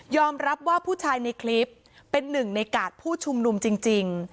รับว่าผู้ชายในคลิปเป็นหนึ่งในกาดผู้ชุมนุมจริง